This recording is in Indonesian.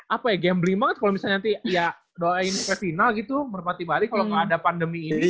apa ya gambling banget kalo misalnya nanti ya doain ke final gitu merpati bari kalo ada pandemi ini